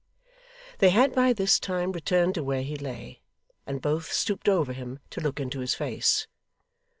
They had by this time returned to where he lay, and both stooped over him to look into his face.